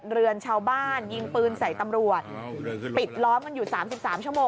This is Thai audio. เรือนชาวบ้านยิงปืนใส่ตำรวจปิดล้อมกันอยู่สามสิบสามชั่วโมง